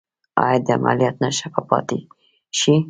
ایا د عملیات نښه به پاتې شي؟